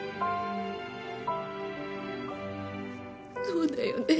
そうだね。